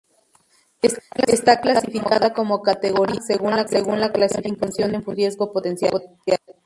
Está clasificada como categoría "A", según la clasificación en función del riesgo potencial.